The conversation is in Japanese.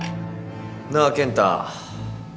なあ健太。